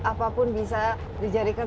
apapun bisa dijadikan